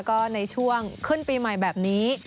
ก็ในช่วงขึ้นปีใหม่แบบนี้